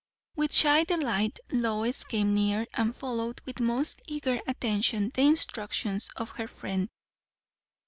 With shy delight, Lois came near and followed with most eager attention the instructions of her friend.